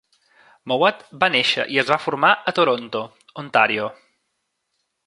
Mowat va néixer i es va formar a Toronto, Ontario.